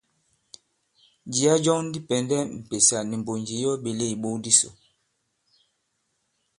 Jìya jɔŋ di pɛ̀ndɛ m̀pèsà nì mbònjì yi ɔ ɓèle ìbok disò.